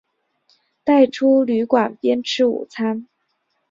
带出旅馆边吃午餐